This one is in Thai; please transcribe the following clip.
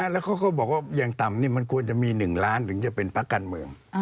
แล้วเขาก็บอกว่าอย่างต่ำมันควรจะมี๑ล้านถึงจะเป็นพักการเมือง